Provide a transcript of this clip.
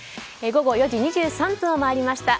午後４時２３分を回りました。